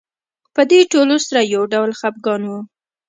د دې ټولو سره یو ډول خپګان و.